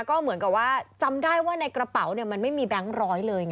ก็เหมือนกับว่าจำได้ว่าในกระเป๋ามันไม่มีแบงค์ร้อยเลยไง